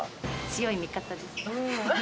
強い味方です。